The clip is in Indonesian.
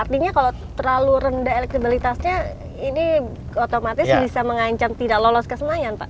artinya kalau terlalu rendah elektribilitasnya ini otomatis bisa mengancam tidak lolos ke senayan pak